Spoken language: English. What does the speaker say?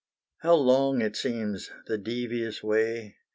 How long it seems! the devious way.